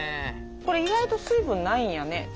これ意外と水分ないんやね。